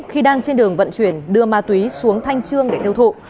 khi đang trên đường vận chuyển đưa ma túy xuống thanh trường để theo thụ